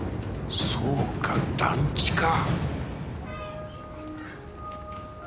そうか団地か。